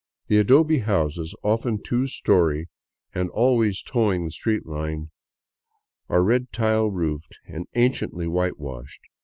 The adobe houses, often two story and always toeing the street line, are red tile roofed and anciently whitewashed.